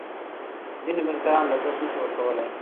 ځینې بزګران لګښت نه شي ورکولای.